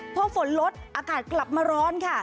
พอฝนลดอากาศกลับมาร้อนค่ะ